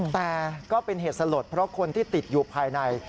แต่ก็เป็นเหตุสลดเพราะคนที่ติดอยู่ภายใน